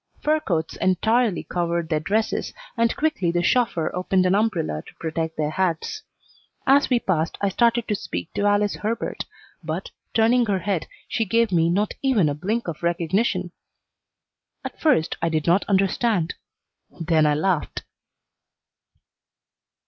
Fur coats entirely covered their dresses, and quickly the chauffeur opened an umbrella to protect their hats. As we passed I started to speak to Alice Herbert, but, turning her head, she gave me not even a blink of recognition. At first I did not understand; then I laughed.